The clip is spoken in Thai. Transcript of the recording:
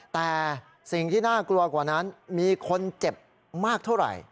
แต่สิ่งที่น่ากลัวกว่านั้นมีคนเจ็บมากเท่าไหร่